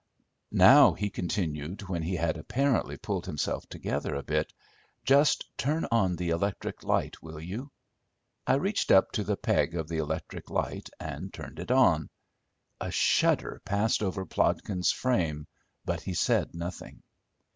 "Now," he continued, when he had apparently pulled himself together a bit, "just turn on the electric light, will you?" I reached up to the peg of the electric light and turned it on. A shudder passed over Plodkins' frame, but he said nothing.